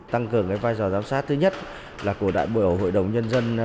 tăng cường vai trò giám sát thứ nhất là của đại biểu hội đồng nhân dân